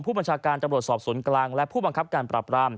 บัญชาการตำรวจสอบสวนกลางและผู้บังคับการปรับราม